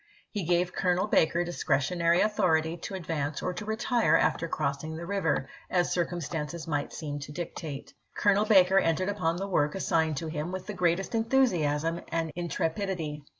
He gave Colonel Baker discretionary authority to advance or to retire after crossing the river, as circumstances might seem to dictate. Colonel Baker entered upon the work assigned to him with the greatest enthusiasm and intre pidity.